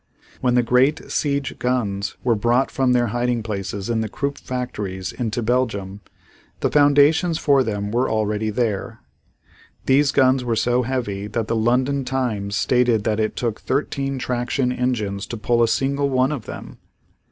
When the great siege guns were brought from their hiding places in the Krupp factories into Belgium, the foundations for them were already there. These guns were so heavy that the London Times stated that it took thirteen traction engines to pull a single one of them.